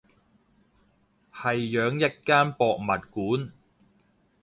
係養一間博物館